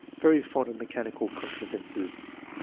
"Very fond of mechanical contrivances.